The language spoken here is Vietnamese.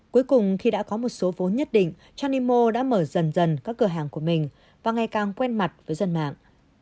cuối cùng khi đã có một số vốn nhất định tranimo đã mở dần dần các cửa hàng của mình và ngày càng quen mặt với dân mạng